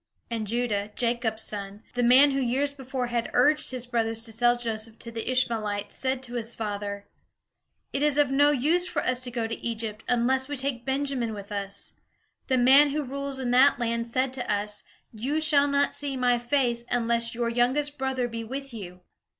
And Judah, Jacob's son, the man who years before had urged his brothers to sell Joseph to the Ishmaelites, said to his father: "It is of no use for us to go to Egypt, unless we take Benjamin with us. The man who rules in that land said to us, 'You shall not see my face, unless your youngest brother be with you'."